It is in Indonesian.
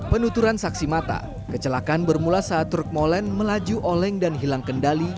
penuturan saksi mata kecelakaan bermula saat truk molen melaju oleng dan hilang kendali